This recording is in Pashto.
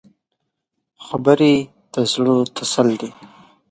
خبرې د زړه تسل دي